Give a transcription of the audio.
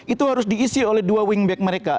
itu harus diisi oleh dua wingback mereka